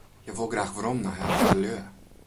Hja wol graach werom nei har âldelju.